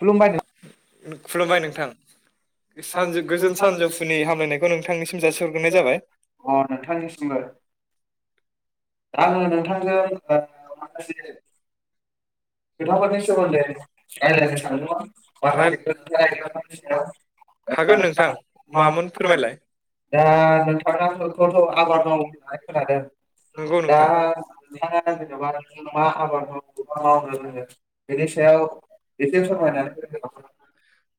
खुलुमबाय [unintelligible] खुलुमबाय नोंथां। सानजौ गोजोन सानजौफुनि हामलायनायखौ नोंथांनिसिम जासिहरग्रोनाय जाबाय [unintelligible] अ नोंथांनि सिमबो। आङो नोंथांजों [unintelligible] खोथाफोरनि सोमोन्दै रायलायनो सानदोंमोन राय माखासे [unintelligible] सायाव हागोन नोंथां मामोन [unintelligible] फोरमायलाय दा नोंथाङा पटल आबाद मावो नालाय खोनादों। नंगौ दा नोंथां [unintelligible] [unintelligible] [unintelligible] सायाव एसे फोरमायनानै होनो हागोन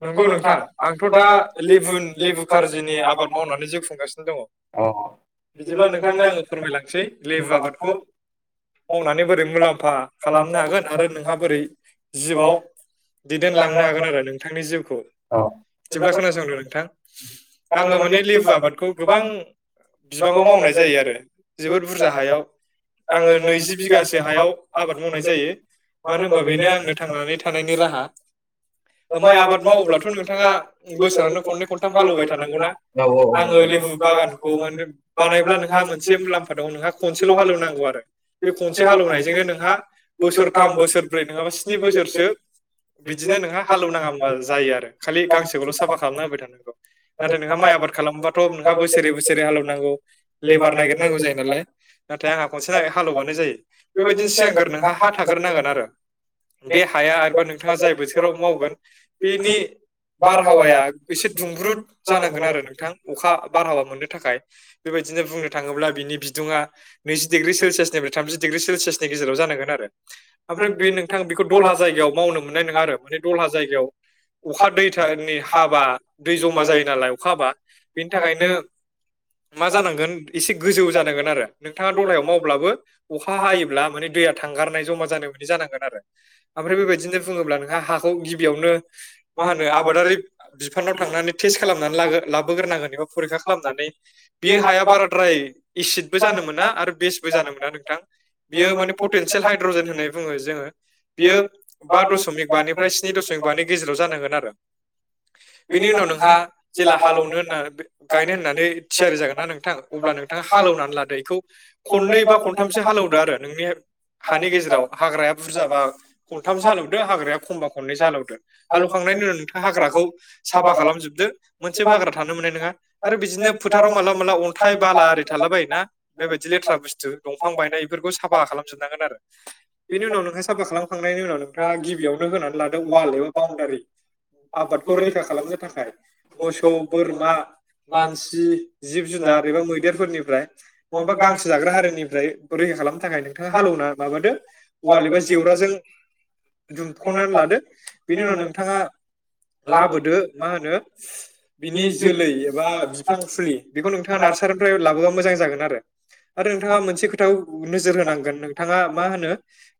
नोंगौ नोंथां आंथ' दा लेबु लेबु कार्जिनि आबाद मावनानै जिउ खुंगासिनो दङ। नामा? बिदिब्ला नोंथांनो आं फोरमायलांनोसै लेबु आबादखो मावनानै बोरै मुलाम्फा खालामनो हागोन आरो नोंहा बोरै जिउवाव दैदेनलांनो हागोन आरो। नोंथांनि जिउ औ बिदिब्ला खोनासंदो नोंथां। आङो माने लेबु आबादखौ गोबां बिबाङाव मावनाय जायो आरो जोबोद बुरजा हायाव आङो नैजि बिगासो हायाव आबाद मावनाय जायो मानो होनबा बे बे आंनि थांनानै थानायनि राहा। माइ आबाद मावोब्लाथ' नोंथाङा बोसोरावनो खननै खनथाम हालौबाय थानांगौना औ आङो लेबु बागानखौ माने बानायब्ला नोंहा मोनसे मुलाम्फा दङ नोंहा खनसेल' हालौनांगौ आरो बे खनसे हालेवनायजोंनो नोंहा बोसोरथाम बोसोरब्रै नङाबा स्नि बोसोरसो बिदिनो नोंहा हालेवनाङा होमबा जायो आरो खालि गांसोखौल' साफा खालामना होबाय थानांगौ नाथाय नोंहा माइ आबाद खालामोबाथ' नोंहा बोसोरै बोसोरै हालौनांगौ लेबार नागगिरनांगौ जायो नालाय नाथाय आंहा खनसे हालेवबानो जायो बेबायदिनो सिगांग्रो नोंहा हा थाग्रोनांगोन आरो। बे हाया आरोबा नोंथाङा जाय बोथोराव मावगोन बेनि बारहावाया एसे दुंब्रुद जानांगोन आरो नोंथां अखा बारहावा मोननो थाखाय। बेबायदिनो बुंनो थाङोब्ला बिनि दुङा नैजि डिग्रि सेलसियानिफ्राय थामजि डिग्रि सेलसियासनि गेजेराव जानांगोन आरो। ओमफ्राय फ्राय बे नोंथां बेनिफ्राय बेखौ दलहा जायगायाव मावनो मोननाय नोङा आरो माने दलहा जायगायाव अखा दैथानि हाबा दै जमा जायो नालाय अखा हाब बा बिनि थाखायनो मा जानांगोन एसे गोजौ जानांगोन आरो नोंथाङा दलहायाव मावब्लाबो अखा हायोब्ला माने दैया थांगारनाय जमा जानायाव बिदि जानांगोन आरो। ओमफ्राय बेबायदिनो बुङोब्ला नोंहा हाखौ गि बेयावनो मा होनो आबादारि बिफानाव थांनानै टेस्ट खालामनानै लाग्रो लाबोग्रोनांगोन। बेयाव फोरिखा खालामनानै बेयो हाया बाराद्राय एसिदबो जानो मोना आरो बेसबो जानो मोना नोंथां बियो माने पटेनसियेल हाइद्रजेन होनाय बुङो जोङो बेयो बा दशमिक बानिफ्राय स्नि दशमिक बानि गेजेराव जानांगोन आरो बेनि उनाव नोंहा जेला हालेवनो होननानै गायनो होननानै थियारि जागोन ना नोंथां अब्ला नोंथाङा हालेवनानै लादो बेखौ खननै बा खनथामसो हालेवदो आरो नोंनि हानि गेजेराव हाग्राया बुरजाबा खनथामसो हालेवदो हाग्राया एखमबा खनैसो हालेवदो हालेवखांनायनि उनाव नोंथाङा हाग्राखौ साफा खालामजोबदो मोनसेबो हाग्रा थानो मोननाय नङा आरो बिदिनो फोथाराव मालाबा मालाबा अन्थाइ बाला आरि थाला बायोना बेबायदि लेथ्रा बुस्थु दंफां बायनाय बेफोरखौ साफा खालामजोबनांगोन आरो बेनि उनाव नोंहा साफा खालाम खांनायनि उनाव नोंथाङा गिबियावनो होनानै लादों वाल एबा बाउणडारि आबादखौ रैखा खालामनो थाखाय मोसौ बोरमा मानसि जिब जुनार एबा मैदेरफोरनिफ्राय नङाबा गांसो जाग्रा हारिनि ओमफ्राय रैखा खालामनो थाखाय नोंथाङा हालेवना माबादो वाल एबा जेवराजों दुमख'नानै लादो बेनि उनाव नोंथाङा लाबोदो मा होनो [inaudible] बिनि जोलै एबा बिफां फुलि बेखौ नोंथाङा नार्सारिनिफ्राय लाबोबा मोजां जागोन आरो आरो नोंथाङा मोनसे खोथाव नोजोर होनांगोन नोंथाङा मा होनो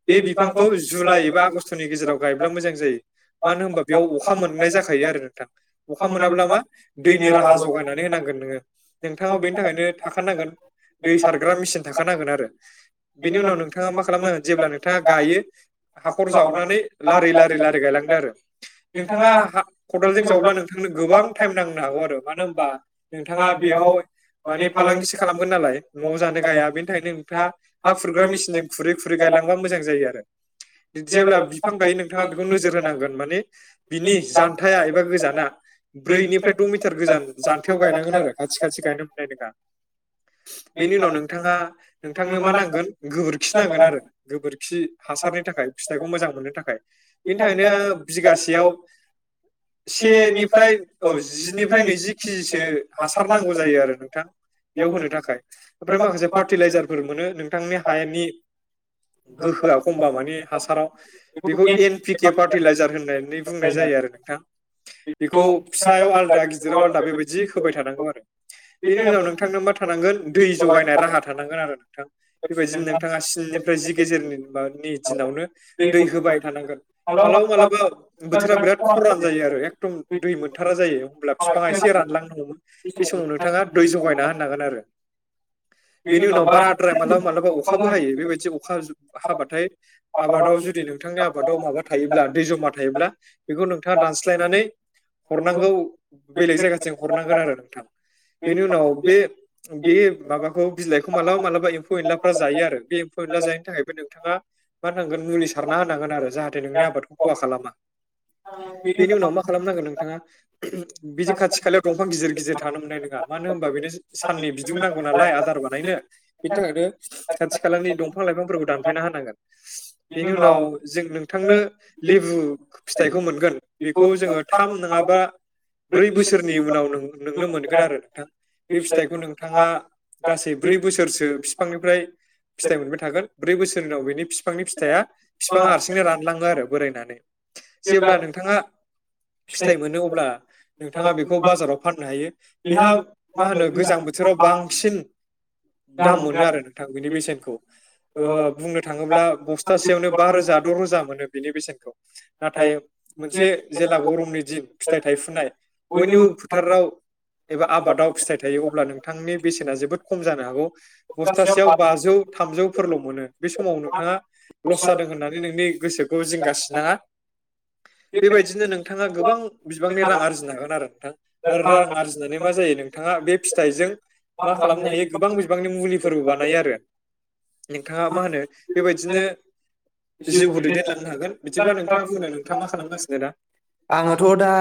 बे बिफांखौ जुलाइ एबा आगषट'नि गेजेराव गायब्ला मोजां जायो मानो होनबा बेयाव अखा मोननाय जाखायो आरो नोंथां अखा मोनाब्ला मा दैनि राहा जगायनानै होनांगोन नोङो नोंथाङाव बेनि थाखायनो थाखानांगोन दै सारग्रा मेसिन थाखानांगोन आरो बिनि उनाव नोंथाङा मा खालामनांगोन जेब्ला नोंथाङा गायो हाखर जावनानै लारि लारि लारि गायलांदों आरो नोंथाङा हा खदालजों जावब्ला नोंथांनो गोबां टाइम नांनो हागौ आरो मानो होनबा नोंथाङा बेयाव माने फालांगिसो खालामगोन नालाय न' जानो गाया बेनि थाखायनो नोंथाङा हा खुरग्रा मिसिनजों खुरै खुरै खुरै गायलांबा मोजां जायो आरो जेब्ला बिफां गायो नोंथाङा बेखौ नोजोर होनांगोन माने बिनि जानथाया एबा गोजाना ब्रैनिफ्राय द' मिटार गोजान जानथायाव गायनांगोन आरो खाथि खाथि गायनो मोननाय नङा बेनि उनाव नोंथाङा नोंथांनो मा नांगोन गोबोरखि नांगोन आरो गोबोरखि खि हासारनि थाखाय फिथाइखौ मोजां मोननो थाखाय बिनि थाखायनो बिगासेयाव सेनिफ्राय ओ जिनिफ्राय नैजि केजिसो हासार नांगौ जायो आरो नोंथां बेयाव होनो थाखाय ओमफ्राय माखासे फार्टिलाइजारफोर मोनो नोंथांनि हायानि गोहोआव एकमबा मानि हासाराव बेखौ एन पि के फार्टिलाइजार होननानै बुंनाय जायो आरो नोंथां बेखौ फिसायाव आलदा गिदिराव आलदा बेबायदि होबाय थानांगौ आरो बेनि उनाव नोंथांनो मा थानांगोन दै जगायनाय राहा थानांगोन आरो नोंथां बेबायदिनो नोंथाङा स्निनिफ्राय जि गेजेरनि बा मे दिनावनो दै होबाय थानांगोन मालाबा मालाबा बोथोरा बेरात खरान जायो आरो एखदम दै मोनथारा जायो होमब्ला बिफाङा एसे रानलांनो हमो‌ बे समाव नोंथाङा दै जगायना होननांगोन आरो बेनि उनाव बाराद्राय मालाबा मालाबा अखाबो हायो बेबायदि अखा जुब हाबाथाय आबादाव जुदि नोंथांनि आबादाव माबा थायोब्ला बिथाङा दानस्लायनानै हरनांगौ बेलेग जायगासिम हरनांगोन आरो बेनि उनाव बे नोंथाङा मा होनांगोन मुलि सारना होनांगोन आरो जाहाथे नोंनि आबादखौ खहा खालामा । बेनि उनाव मा खालामनांगोन नोंथां हा बिदि खाथि खालायाव दंफां गिदिर गिदिर थांनो मोननाय नङा मानो होनबा बेनो साननि बिदुं नांगौ नालाय आदार बानायनो बिनि थाखायनो खाथि खालानि दंफां लाइफांफोरखौ दान दानफायना होनांगोन बेनि उनाव जों नों थांनो लेबु फिथाइखौ मोनगोन बेखौ जोङो थाम नङाबा बे फिथाइखौ नों थाङा गासै ब्रै बोसोरसो बिफांनिफ्राय फिथाइ मोनबाय थागोन ब्रै बोसोरनिनाव बेनि बिफांनि फिथाइया बिफाङा हारसिंनो रानलाङो आरो बोरायनानै। जेब्ला फिथाइ मोनो अब्ला नोंथाङा बेखौ बाजाराव फाननो हायो । बेहा मा होनो गोजां बोथोराव बांसिन दाम मोनो आरो नोंथां बिनि बेसेनखौ ओ बुंनो थाङोब्ला बस्थासेयावनो बा रोजा द' रोजा मोनो बेनि बेसेनखौ। नाथाय मोनसे जेला गरम नि दिन फिथाइ थाइफुनाय बयनिबो फोथाराव एबा आबादाव फिथाइ थायो अब्ला नोंथांनि बेसेना जोबोद खम जानो हागौ‌ बस्थासेयाव बाजौ थामजौ फोरल' मोनो बे समाव नोंथाङा लस जादों होननानै नोंनि गोसोखौ जिंगासिनाङा बेबायदिनो नोंथाङा गोबां बिबांनि रां आरजिनो हागोन आरो नोंथां। आरो रां आरजिनानै मा जायो नोंथाङा बे फिथाइजों मा खालामनो हायो गोबां बिबांनि मुलिफोरबो बानायो आरो। नोंथाङा मा होनो बेबायदिनो जिउखौ दैदेनलांनो हागोन। बिदिब्ला नोंथाङा बुंदो नोंथाङा मा खालामगासिनो दा? आङोथ' दा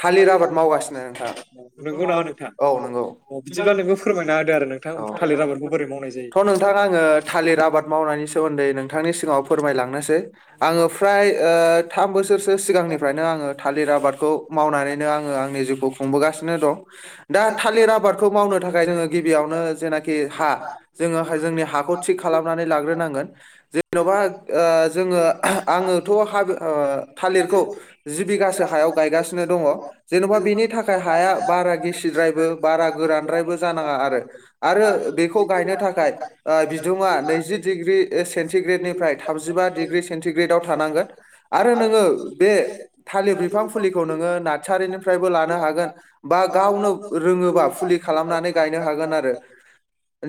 थालिर आबाद मावगासिनो नोंथां नंगौ नामा नोंथां? औ नंगौ औ बिदिब्ला नोंबो फोरमायना होदो आरो नों थां औ थालिर आबादखौ बोरै मावनाय जायो? थ' नोंथां आङो थालिर आबाद मावनायनि सोमोन्दै नोंथांनि सिगाङा फोरमायलांनोसै आङो फ्राय ओ थाम बोसोरसो सिगांनिफ्रायनो आङो थालिर आबादखौ मावनानैनो आङो आंनि जिउखौ खुंबोगासिनो दं। दा थालिर आबादखौ मावनो थाखाय जोङो गिबियावनो जेनाखि हा जोङो जोंनि हाखौ थिग खालामनानै लाग्रोनांगोन जे जेन'बा ओ जोङो आङोथ' हा ओ थालिरखौ जि बिघासो हायाव गायगासिनो दङ जेन'बा बेनि थाखाय हाया बारा गिसिद्रायबो बारा गोरानद्रायबो जानाङा आरो आरो बेखौ गायनो थाखाय आ बिदुंया नैजि डिग्रि सेनथि ग्रेड निफ्राय थाबजिबा डिग्रि सेन्टिग्रेदाव थानांगोन आरो नोङो बे थालिर बिफां फुलिखौ नोङो नाथसारिनिफ्रायबो लानो हागोन बा गावनो रोङोबा फुलि खालामनानै गायनो हागोन आरो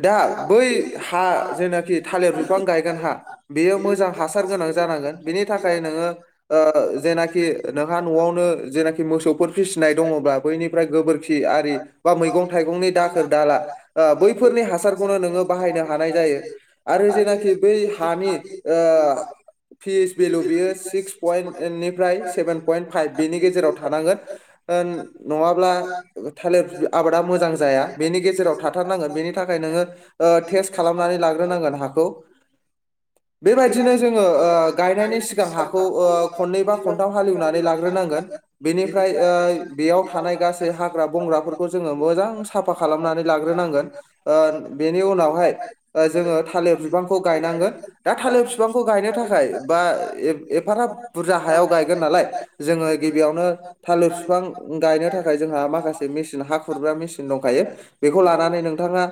दा बै हा जेनाखि थालिर बिफां गायगोन हा बेयो मोजां हासार गोनां जानांगोन बेनि थाखाय नोङो ओ जेनाखि नोंहा न'आवनो जेनाखि मोसौफोर फिसिनाय दङब्ला बैनिफ्राय गोबोरखि आरि बा मैगं थाइगंनि दाखोर दाला आ बैफोरनि हासार खौ नोङो बाहायनो हानाय जायो आरो जेनाखि बै हानि ओ फिस भेलु बियो सिक्स पयन्टनिफ्राय सेभेन पयन्ट फाइभ बेनि गेजेराव थानांगोन नङाब्ला थालिर आबादा मोजां जाया बेनि गेजेराव थाथारनांगोन बेनि थाखाय नोङो ओ टेस्ट खालामनानै लाग्रोनांगोन हाखौ बेबायदिनो जोङो ओ गायनायनि सिगां हाखौ ओ खननै बा खनथाम हालेवनानै लाग्रोनांगोन बेनिफ्राय ओ बेयाव थानाय गासै हाग्रा बंग्राफोरखौ जोङो मोजां साफा खालामनानै लाग्रोनांगोन ओ बेनि उनावहाय जोङो थालिर बिबांखौ गायनांगोन दा थालिर बिफांखौ गायनो थाखाय बा एफाराब बुरजा हायाव गायगोन नालाय जोङो गिबियावनो थालिर बिफां गायनो थाखाय जोंहा माखासे मेसिन हा खुरग्रा मेसिन दंखायो बेखौ लानानै नोंथाङा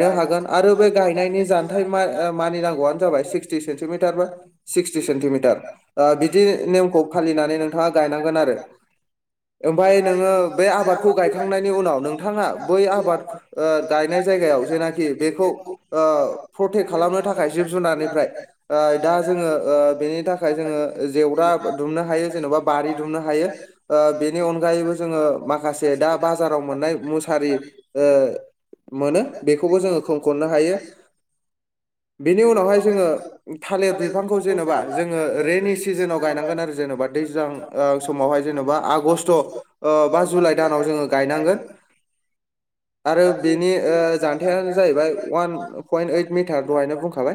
नो हागोन आरो बे गायनायनि जथाय ओ मानिनांगौ सिकसटि सेन्टिमिटारबा सिकसटि सेन्टिमिटार आ बिदि नेमखौ फालिनानै नोंथाङा गायनांगोन आरो उमफाय नोंयो बे आबादखौ गायखांनि उनाव नोंथाङा बै आबाद ओ गायनाय जायगायाव जेनाखि बेखौ ओ प्रटेक् खालामनो थाखाय जिब जुनारनि फ्राय आ दा जोङो ओ बेनि थाखाय जोङो जेवरा दुमनो हायो जेन'बा बारि दुमनो हायो ओ बेनि अनगायैबो जोङो माखासे दा बाजाराव मोननाय मुसारि ओ मोनो बेखौबो जोङो खोंखननो हायोनि बेनि नि उनावहाय जोङो थालिर बिफांखौ जेनेबा जोङो रेनि सिजोनाव गायनांगोन आरो जेनेबा दैजां ओ समावहाय जबा बा आगसथ' ओ बा जुलाय दानाव जोंयो गायनांगोन आरो बेनि ओ [unintelligible] जाहैबाय वान पइन्ट ओइट मिटार दहायनो बुं ओ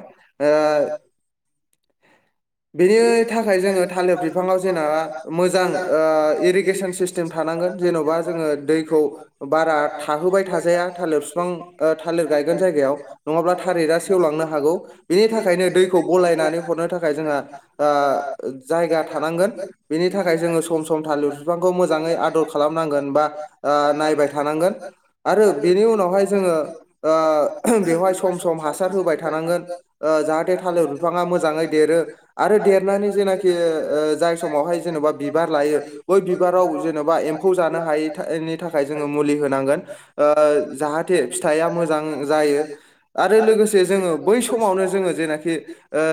बेनियै थाखाय जोङो थालिर बिफाङाव जेनेबा मोजां ओ इरिगेसन सिस्टेम थानांगोन जेन'बा जोङो दैखौ बारा थाहोबाय थाजाया थालिर बिफां थालिर गायगोन जायगायाव नङाब्ला थालिरा सेवलांनो हागौ बेनि थाखायनो दैखौ बलायनानै हरनो थाखाय जोंहा आ जायगा थानांगोन बिनि थाखाय जोङो सम सम थालिर बिफांखौ मोजाङै आदर खालामनांगोन बा आ नायबाय थानांगोन आरो बेनि उनावहाय जोङो ओ बेवहाय सम सम हासार होबाय थानांगोन ओ जाहाथे थालिर बिफाङा मोजाङै देरो आरो देरनानै जेनाखे ओ जाय समावहाय जेनेबा बिबार लायो बै बिबाराव जेन'बा एम्फौ जानो हायैनि थाखाय जोङो मुलि होनांगोन ओ जाहाथे थाइया मोजां जायो आरो लोगोसे जोङो बै समावनो जोङो जेनाखि ओ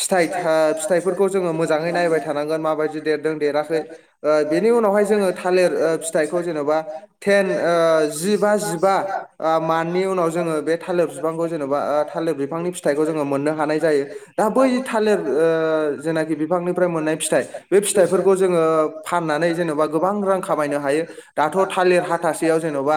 फिथाइथा फिथाइफोरखौ जोङो मोजाङै नायबाय थानांगोन माबायदि देरदों देराखै ओ बेनि उनावहाय जोङो थालिर ओ फिथाइखौ जेन'बा थेन ओ जि बा जिबा ओ माननि उनाव जोङो बे थालिर बिफांखौ जेनबा ओ थालिर बिफांनि फिथाइखौ जोङो मोननो हानाय जायो । दा बै थालिर ओ जेनाखि बिफांनिफ्राय मोननाय फिथाइ बे फिथाइफोरखौ जोङो फाननानै जेनबा गोबां रां खामायनो हायो दाथ थालिर हाथासेयाव जेनबा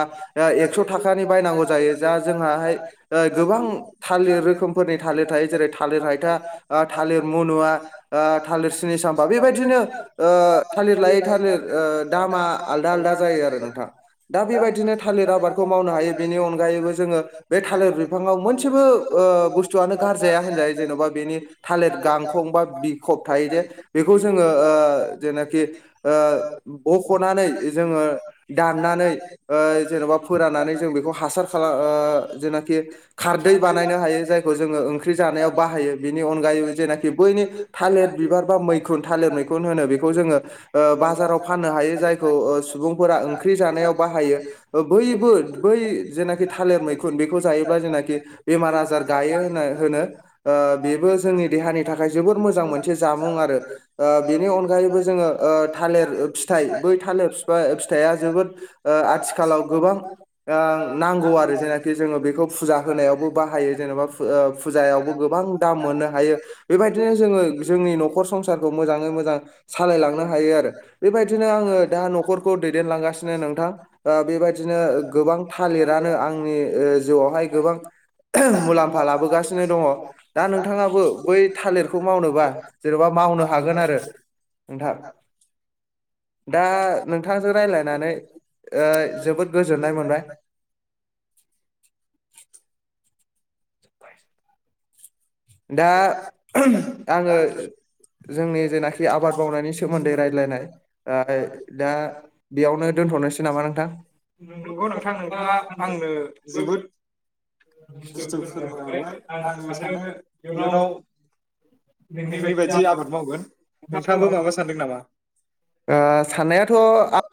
एकस थाखानि बायनांगौ जायो जा जोंङाहाय ओ गोबां थालिर रोखोमफोरनि थालिर थायो‌ जेरै थालिर थालिर मनुआ ओ थालिर सिनिसामपा बेबायदिनो ओ थालिर लायै थालिर दामा आलदा आलदा जायो आरो नोंथां दा बेबायदिनो थालिर आबादखौ मावनो हायो बेनि अनगायैबो जोङो बे थालिर बिफाङाव मोनसेबो बुस्थुआनो ओ गारजाया होनजाय बेनि थालिर गांखं बा बिखब थायो जे बेखौ‌ जोङो‌ ओ जेनेखि ओ बखनानै जोङो दाननानै ओ जेनबा फोराननानै जों बेखौ हासार खाला ओ‌ जेनेखि खारदै बानायनो हायो जायखौ जों‌ङो ओ‌ ओंख्रि जानायाव बाहायो बिनि अनगायैबो जेनाखि बैनि थालिर बिबार बा मैखुन थालिर मैखुन होनो बेखौ जोङो बाजाराव फाननो हायो जायखौ‌ ओ सुबुंफोरा ओंख्रि जानायाव बाहायो बैबो बै जेनाखि थालिर मैखुन बेखौ जायोब्ला जेनाखि बेमार आजार गायो होनो‌ होनो ओ बेबो जोंनि देहानि थाखाय जोबोद मोजां मोनसे जामुं आरो ओ बेनि अनगायैबो जोङो ओ थालिर फिथाइ बै थालिर फिफाय फिथाइया जोबोद ओ आथिख खालाव गोबां नांगौ आरो जेनाखि जोङो बेखौ फुजा होनायावबो बाहायो जेनेबा फु ओ फुजा आवबो गोबां दाम मोननो हायो बेबायदिनो जोङो जोंनि नखर संसारखौ मोजाङै मोजां सालायलांनो हायो आरो बेबायदिनो आङो दा नखरखौ दैदेनलांगासिनो नोंथां बेबायदिनो गोबां थालिरानो आंनि ओ जिउआवहाय गोबां मुलाम्फा लाबोगासिनो दं दा नोंथाङाबो बै थालिरखौ मावनोबा जेनबा मावनो हागोन आरो नोंथां दा नोंथांजों रायलायनानै ओ जोबोद गोजोननाय मोनबाय दा आङो जोंनि जेनाखि आबाद मावनायनि सोमोन्दै रायज्लायनाय ओ दा बेयावनो दोनथनोसै नामा नोंथां नंगौ नोंथाङा नोंथां आंनो [unintelligible] जोबोद बुस्थु फोरमायहरबाय आङो सानो इयुनाव नोंनि बायदि आबाद मावगोन नोंथाङाबो माबा सानदों नामा ओ साननायाथ आ